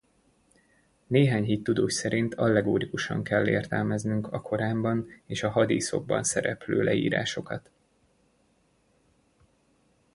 Néhány hittudós szerint allegorikusan kell értelmeznünk a Koránban és a hadíszokban szereplő leírásokat.